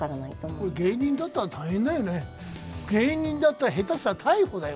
これ、芸人だったら大変だよね、芸人だったら、下手したら逮捕だよ。